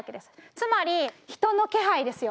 つまり人の気配ですよ。